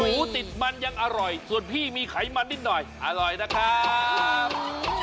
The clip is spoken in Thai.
ติดมันยังอร่อยส่วนพี่มีไขมันนิดหน่อยอร่อยนะครับ